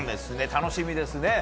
楽しみですね。